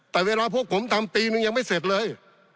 แต่เวลาพวกผมทำปีนึงยังไม่เสร็จเลย